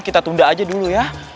kita tunda aja dulu ya